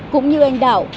cũng như anh đạo